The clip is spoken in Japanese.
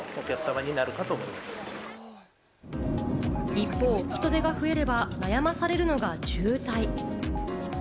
一方、人出が増えれば悩まされるのが渋滞。